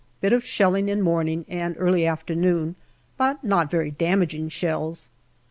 Bit of shelling in morning and early afternoon, but not very damaging shells.